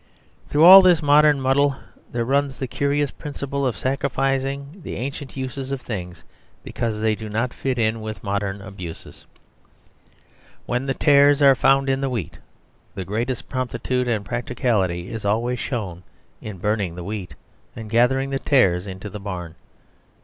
Through all this modern muddle there runs the curious principle of sacrificing the ancient uses of things because they do not fit in with the modern abuses. When the tares are found in the wheat, the greatest promptitude and practicality is always shown in burning the wheat and gathering the tares into the barn.